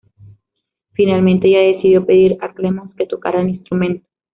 Finalmente, ella decidió pedir a Clemons que tocara el instrumento.